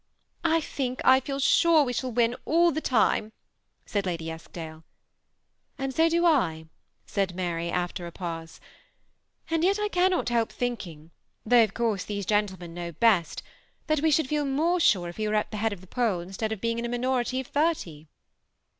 <' I think I feel sure we shall win all the time," said Lady Eskdale. ^' And so do I," said Mbxj, after a pause ;*^ and yet I cannot help thinking, though of course these gentle men know best, that we should feel more sure if we were at the head of the poll instead of being in a minority of thirty."